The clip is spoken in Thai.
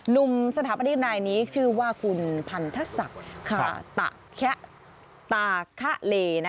ลุมสถาปนิกนายนี้ชื่อว่าคุณพันธศักดิ์ขาตะแคะเล่